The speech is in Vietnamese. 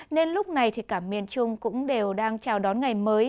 nên lúc này thì cả miền trung cũng đều đang chào đón ngày mới